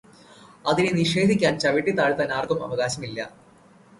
അതിനെ നിഷേധിക്കാന്, ചവിട്ടി താഴ്ത്താന് ആര്ക്കും അവകാശമില്ല.